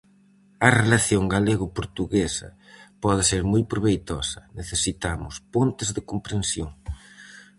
A relación galego-portuguesa pode ser moi proveitosa: necesitamos pontes de comprensión.